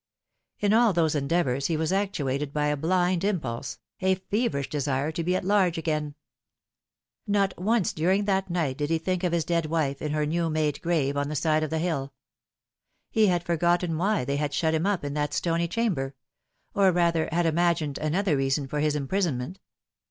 In all those endeavours he was actuated by a blind impulse a feverish desire to be at large again. Not once during that night did he think of his dead wife in her new made grave on the side of the hill. He had forgotten why they had shut him up in that stony chamber or rather had imagined another reason for his imprisonment.